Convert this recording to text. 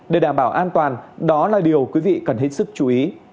để đảm bảo an toàn đó là điều quý vị cần hết sức chú ý